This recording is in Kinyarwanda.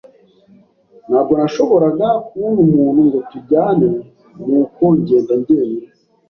Ntabwo nashoboraga kubona umuntu ngo tujyane, nuko ngenda njyenyine.